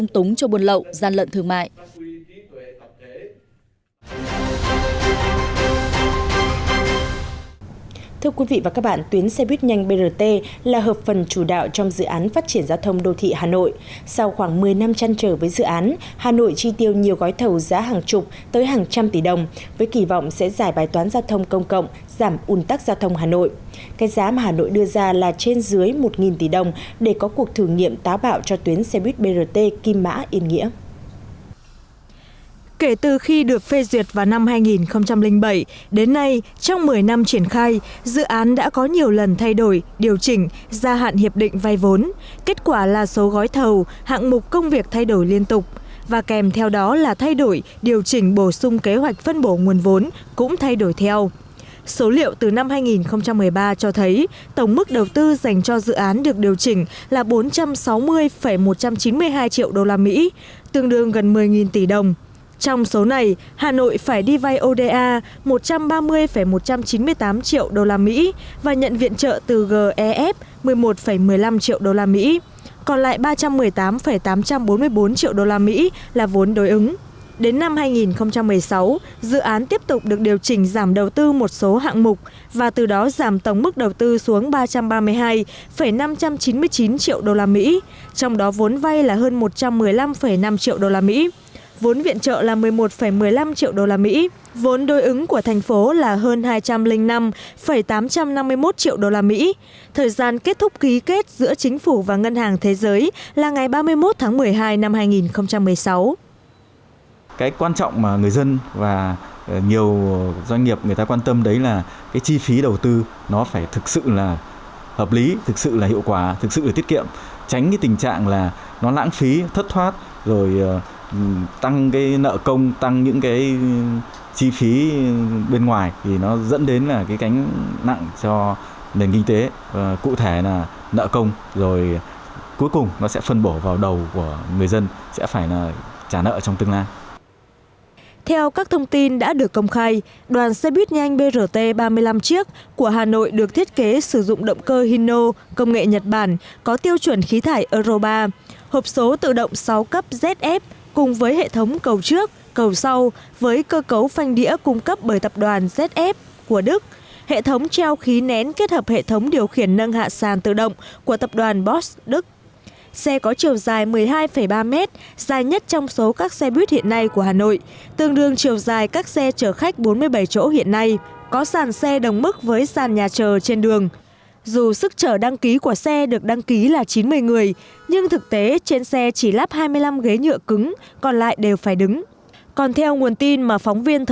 trong năm hai nghìn một mươi sáu tình hình hoạt động buôn lậu gian lận thương mại và các hàng giả trên các tuyến địa bàn của cả nước diễn biến phức tạp